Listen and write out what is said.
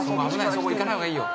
そこ行かない方がいいよ。